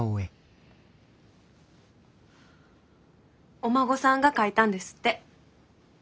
お孫さんが描いたんですって。